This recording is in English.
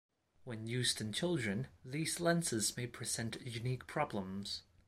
When used in children, these lenses may present unique problems.